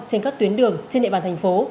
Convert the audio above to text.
trên các tuyến đường trên địa bàn thành phố